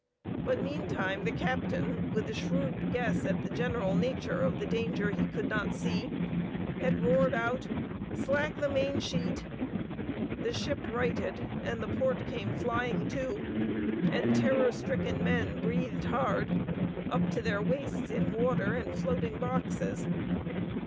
But meantime the captain, with a shrewd guess at the general nature of the danger he could not see, had roared out, "Slack the main sheet!" The ship righted, and the port came flying to, and terror stricken men breathed hard, up to their waists in water and floating boxes.